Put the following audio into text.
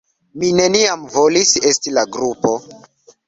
Mi neniam volis "esti" la grupo.